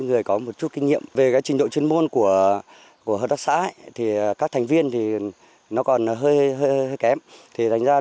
ngoài việc bố trí cán bộ chuyên môn trẻ cho mỗi hợp tác xã sau khi thành lập